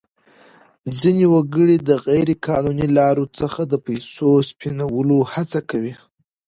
ځینې وګړي د غیر قانوني لارو څخه د پیسو سپینولو هڅه کوي.